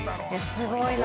すごいな。